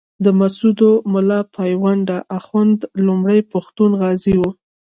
د مسودو ملا پوونده اخُند لومړی پښتون غازي وو.